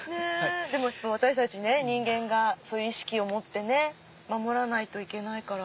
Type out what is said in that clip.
でも私たち人間が意識を持って守らないといけないから。